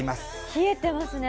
冷えてますね。